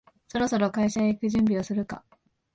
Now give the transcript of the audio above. そろそろ会社へ行く準備をするか